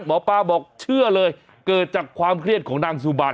หมอปลาบอกเชื่อเลยเกิดจากความเครียดของนางสุบัน